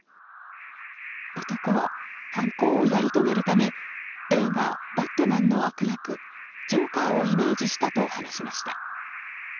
男は、犯行をやり遂げるため映画「バットマン」の悪役ジョーカーをイメージしたと話しました。